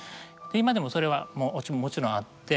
今でもそれはもちろんあって。